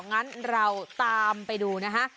งั้นเราตามไปดูนะฮะ